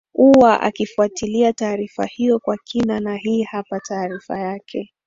uwa akifwatilia taarifa hiyo kwa kina na hii hapa taarifa yake